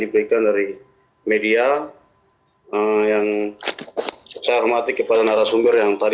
bisa dengar suara saya